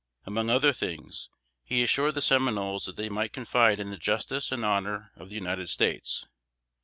Among other things, he assured the Seminoles that they might confide in the justice and honor of the United States.